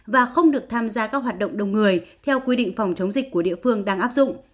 và không được tham gia các hoạt động đông người theo quy định phòng chống dịch của địa phương đang áp dụng